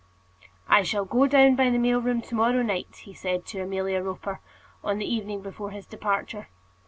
"I shall go down by the mail train to morrow night," he said to Amelia Roper, on the evening before his departure.